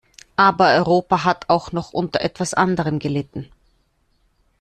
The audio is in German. Aber Europa hat auch noch unter etwas anderem gelitten.